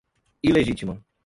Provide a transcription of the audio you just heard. ilegítima